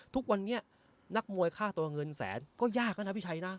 ทุกวันนี้นักมวยค่าตัวเงินแสนก็ยากแล้วนะพี่ชัยนะ